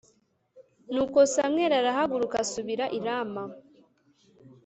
Nuko Samweli arahaguruka asubira i Rama.